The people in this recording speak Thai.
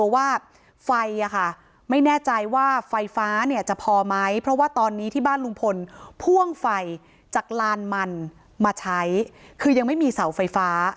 ว่าไฟไม่แน่ใจว่าไฟฟ้าเนี่ยจะพอไหมเพราะว่าตอนนี้ที่บ้านลุงพลพ่วงไฟจากลานมันมาใช้คือยังไม่มีเสาไฟฟ้า